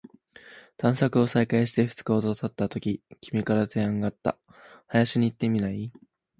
探索を再開して二日ほど経ったとき、君から提案があった。「林に行ってみない？」